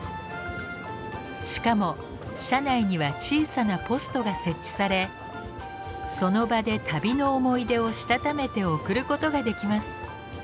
しかも車内には小さなポストが設置されその場で旅の思い出をしたためて送ることができます。